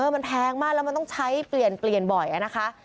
มันแพงมากแล้วมันต้องใช้เปลี่ยนบ่อยนะคะ